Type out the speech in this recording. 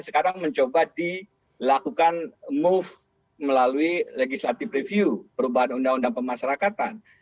sekarang mencoba dilakukan move melalui legislative review perubahan undang undang pemasarakatan